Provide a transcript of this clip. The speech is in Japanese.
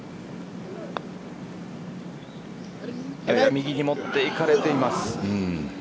右に持っていかれています。